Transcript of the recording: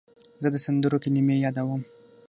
زه د سندرو کلمې یادوم.